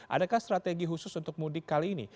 adakah strategi khusus untuk mudik kali ini